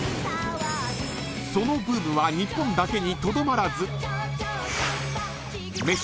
［そのブームは日本だけにとどまらず］